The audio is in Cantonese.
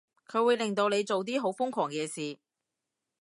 佢會令到你做啲好瘋狂嘅事